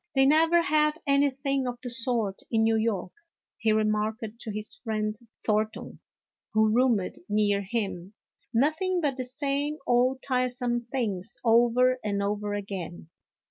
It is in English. " They never have anything of the sort in New York," he remarked to his friend Thornton, who roomed near him ;" nothing but the same old tire some things over and over again."